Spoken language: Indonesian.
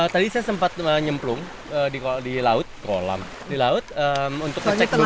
tadi saya sempat nyemplung di laut di kolam di laut untuk ngecek juga pak